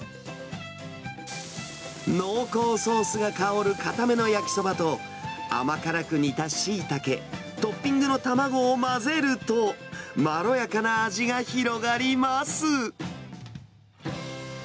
濃厚ソースが香る硬めの焼きそばと、甘辛く煮たシイタケ、トッピングの卵を混ぜると、まろやかな味が広がります。